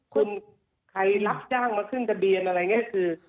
ทีนี้ไหมใครรับจ้างมาขึ้นทะเบียนอะไรแบบนี้